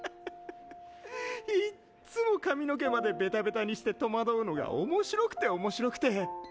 いっつも髪の毛までベタベタにして戸惑うのが面白くて面白くて。